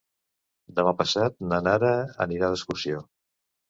Demà passat na Nara anirà d'excursió.